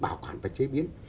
bảo quản và chế biến